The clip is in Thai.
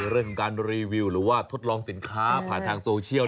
เรื่องของการรีวิวหรือว่าทดลองสินค้าผ่านทางโซเชียล